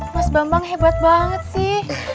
mas bambang hebat banget sih